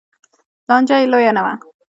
لانجه یې لویه نه وه